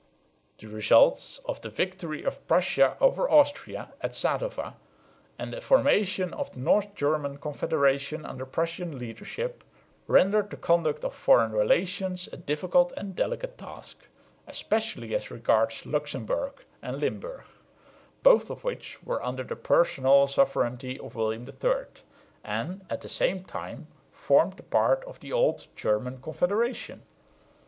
The results of the victory of Prussia over Austria at Sadowa, and the formation of the North German Confederation under Prussian leadership, rendered the conduct of foreign relations a difficult and delicate task, especially as regards Luxemburg and Limburg, both of which were under the personal sovereignty of William III, and at the same time formed part of the old German Confederation.